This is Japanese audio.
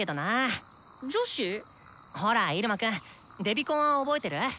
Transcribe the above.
ほらイルマくんデビコンは覚えてる？